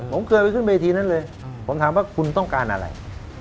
ผมเคยไปขึ้นเวทีนั้นเลยผมถามว่าคุณต้องการอะไร